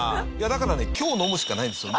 だからね今日飲むしかないんですよ。